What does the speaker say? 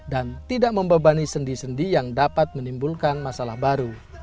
dan tidak membebani sendi sendi yang dapat menimbulkan masalah baru